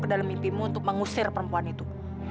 kedalam mimpimu untuk mengusir perempuan itu